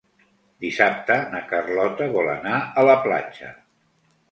Dissabte na Carlota vol anar a la platja.